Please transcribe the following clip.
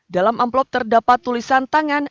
dalam amplop terdapat tulisan tangan